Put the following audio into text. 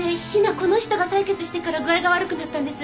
この人が採血してから具合が悪くなったんです。